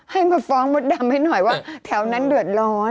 ให้มาฟ้องมดดำให้หน่อยว่าแถวนั้นเดือดร้อน